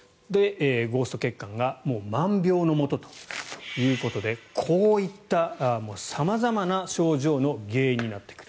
ゴースト血管が万病のもとということでこういった様々な症状の原因になってくる。